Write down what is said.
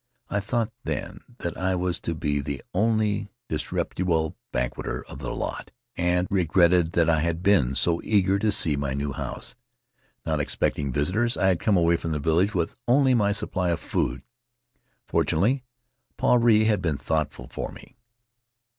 I thought then that I was to be the only disreputable banqueter of the lot, and regretted that I had been so eager to see my new house. Not expecting visitors, I had come away from the village with only my supply of food. Fortunately, Puarei had been thoughtful for me.